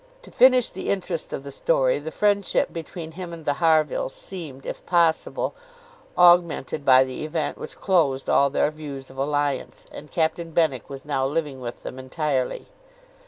To finish the interest of the story, the friendship between him and the Harvilles seemed, if possible, augmented by the event which closed all their views of alliance, and Captain Benwick was now living with them entirely.